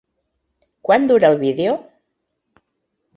Quant dura el vídeo?